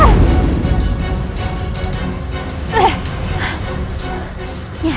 jangan lupa untuk menangkapku